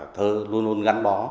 thơ luôn luôn gắn bó